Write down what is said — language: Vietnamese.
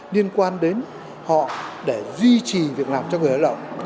liên quan đến họ để duy trì việc làm cho người lao động